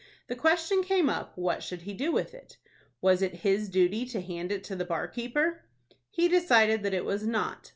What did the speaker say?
The question came up, what should he do with it? Was it his duty to hand it to the bar keeper? He decided that it was not.